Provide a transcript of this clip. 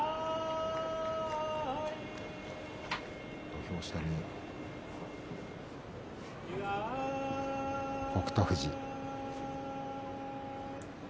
土俵下に北勝富士。